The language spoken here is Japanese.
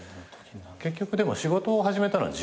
結局仕事を始めたのは１８歳。